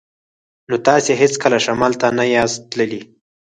نو تاسې هیڅکله شمال ته نه یاست تللي